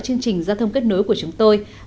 chương trình giao thông kết nối của chúng tôi